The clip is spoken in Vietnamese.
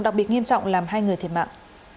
đặc biệt nghiêm trọng làm hai người thiệt mạng